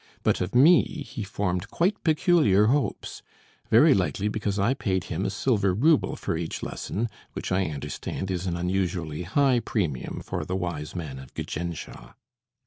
But of me he formed quite peculiar hopes; very likely because I paid him a silver ruble for each lesson, which I understand is an unusually high premium for the Wise Man of Gjändsha.